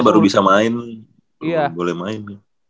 baru bisa main boleh main